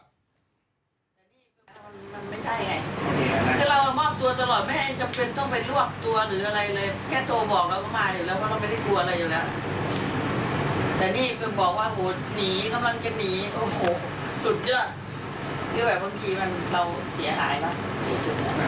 พี่รูปแบบเว้้งคีย์เราเหตุกรายเหรอ